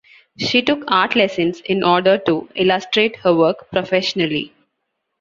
She took art lessons in order to illustrate her work professionally.